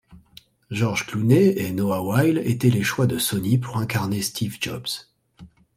George Clooney et Noah Wyle étaient les choix de Sony pour incarner Steve Jobs.